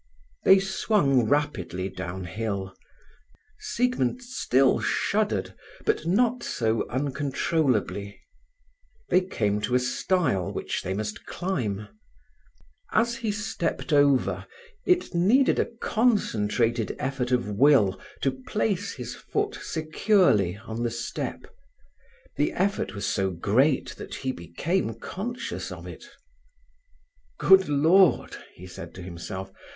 They swung rapidly downhill. Siegmund still shuddered, but not so uncontrollably. They came to a stile which they must climb. As he stepped over it needed a concentrated effort of will to place his foot securely on the step. The effort was so great that he became conscious of it. "Good Lord!" he said to himself.